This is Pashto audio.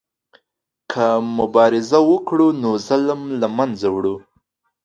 که مبارزه وکړو نو ظلم له منځه وړو.